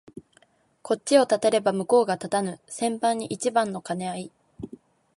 こっちを立てれば向こうが立たぬ千番に一番の兼合い